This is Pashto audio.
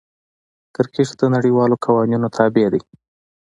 کرکټ د نړۍوالو قوانینو تابع دئ.